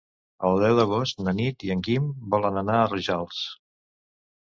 El deu d'agost na Nit i en Guim volen anar a Rojals.